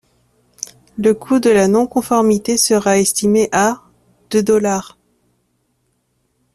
Le coût de la non-conformité sera estimé à de dollars.